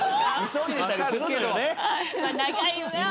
急いでたりするのよ。